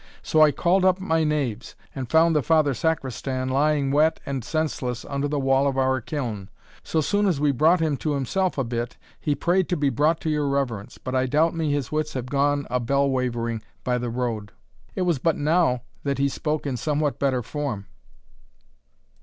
So I called up my knaves, and found the Father Sacristan lying wet and senseless under the wall of our kiln. So soon as we brought him to himself a bit, he prayed to be brought to your reverence, but I doubt me his wits have gone a bell wavering by the road. It was but now that he spoke in somewhat better form."